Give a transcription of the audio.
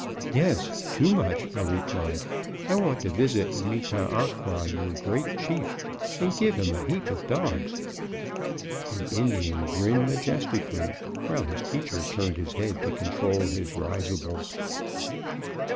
"Yes, too much," I replied; "I want to visit Me tah ah qua, your great chief, and give him a heap of dogs." The Indian grinned majestically, while his teacher turned his head to control his risibles.